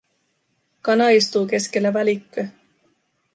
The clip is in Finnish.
Kana istuu keskellä välikköä.